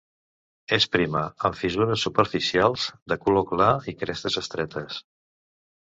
És prima, amb fissures superficials, de color clar i crestes estretes.